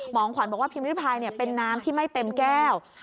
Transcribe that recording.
หมองขวัญบอกว่าพิมพิริพายเป็นน้ำที่ไม่เต็มแก้ว